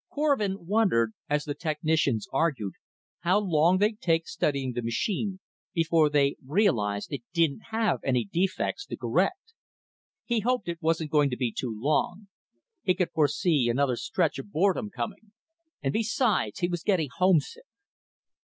Korvin wondered, as the technicians argued, how long they'd take studying the machine, before they realized it didn't have any defects to correct. He hoped it wasn't going to be too long; he could foresee another stretch of boredom coming. And, besides, he was getting homesick.